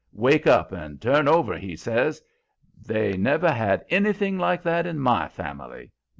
"Wake up and turn over," he says. "They never had anything like that in my family.